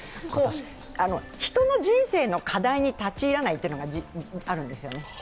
人の人生の課題に立ち入らないというのがあるんですよね。